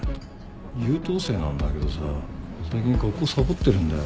優等生なんだけどさ最近学校サボってるんだよ。